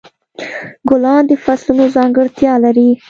ګلان د فصلونو ځانګړتیا لري.